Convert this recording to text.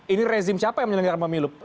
ini rezim siapa yang menyelenggara pemilu